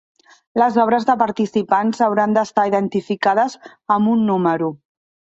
Les obres dels participants hauran d'estar identificades amb un número.